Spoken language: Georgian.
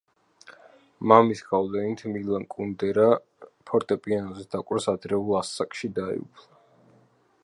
მამის გავლენით მილან კუნდერა ფორტეპიანოზე დაკვრას ადრეულ ასაკში დაეუფლა.